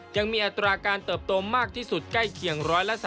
อัตราการเติบโตมากที่สุดใกล้เคียง๑๓